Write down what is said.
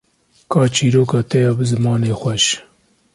ka çîroka te ya bi zimanê xweş